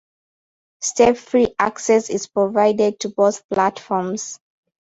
Step-free access is provided to both platforms.